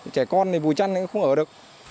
trẻ con thì bùi chăn cũng không ở được